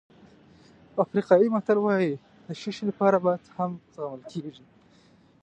افریقایي متل وایي د ښه شی لپاره بد هم زغمل کېږي.